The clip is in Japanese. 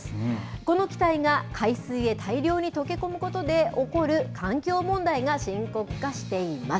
この気体が海水へ大量に溶け込むことで起こる環境問題が深刻化しています。